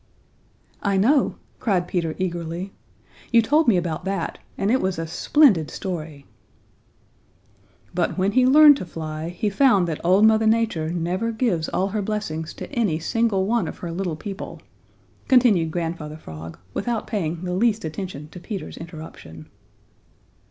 "I know!" cried Peter eagerly. "You told me about that, and it was a splendid story." "But when he learned to fly, he found that Old Mother Nature never gives all her blessings to any single one of her little people," continued Grandfather Frog, without paying the least attention to Peter's interruption.